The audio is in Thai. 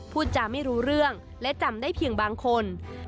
พูดจาไม่รู้เรื่องและจำได้เพียงบางคน